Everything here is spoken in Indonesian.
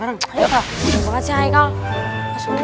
terima kasih haikal